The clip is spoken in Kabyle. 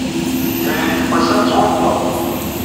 Timlilit n wass-a tettwabṭel.